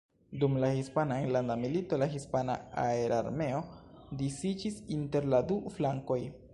Dum la Hispana Enlanda Milito la Hispana Aerarmeo disiĝis inter la du flankoj.